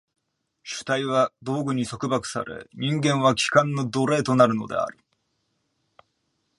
主体は道具に束縛され、人間は器官の奴隷となるのである。